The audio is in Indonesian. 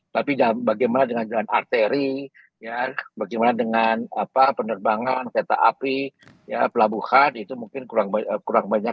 tapi bagaimana dengan jalan arteri bagaimana dengan penerbangan kereta api pelabuhan itu mungkin kurang banyak